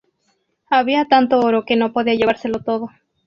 Había tanto oro que no podía llevárselo todo.